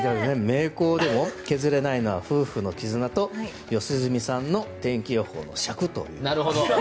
名工でも削れないのは夫婦の絆と良純さんの天気予報の尺という。